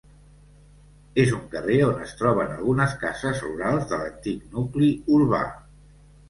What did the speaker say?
És un carrer on es troben algunes cases rurals de l'antic nucli urbà.